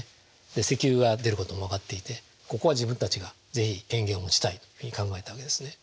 石油が出ることも分かっていてここは自分たちが是非権限を持ちたいというふうに考えたわけですね。